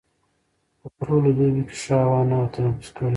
په ټوله دوبي کې ښه هوا نه وه تنفس کړې.